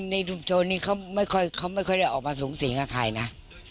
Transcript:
ในชุมชนนี้เขาไม่ค่อยได้ออกมาสูงสิงกับใครนะ